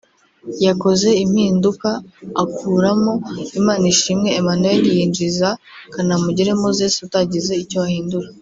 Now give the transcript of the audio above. yakoze impinduka akuramo Imanishimwe Emmanuel yinjiza Kanamugire Moses utagize icyo ahindura